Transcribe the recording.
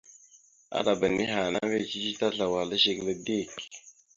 Aɗaba nehe ana mbiyez cici tazlawal e zigəla dik.